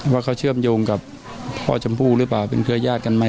ว่าเขาเชื่อมโยงกับพ่อชมพู่หรือเปล่าเป็นเครือญาติกันไหม